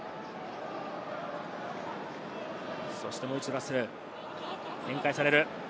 そして、もう一度ラッセル、展開される。